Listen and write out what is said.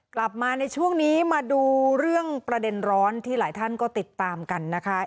กลับมาในช่วงนี้มาดูเรื่องประเด็นร้อนที่หลายท่านก็ติดตามกันนะคะ